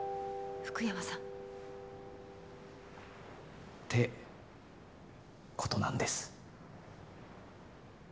福山さん。ってことなんです。